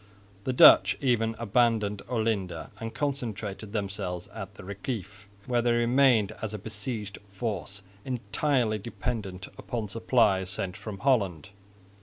The Dutch even abandoned Olinda and concentrated themselves at the Reciff, where they remained as a besieged force entirely dependent upon supplies sent from Holland.